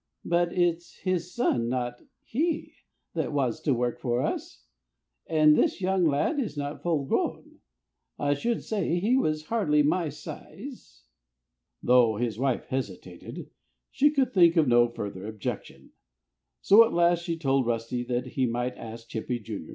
"But it's his son not he that wants to work for us. And this young lad is not full grown. I should say he was hardly my size." Though his wife hesitated, she could think of no further objection. So at last she told Rusty that he might ask Chippy, Jr.